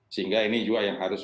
sehingga ini juga yang harus